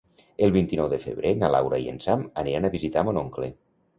El vint-i-nou de febrer na Laura i en Sam aniran a visitar mon oncle.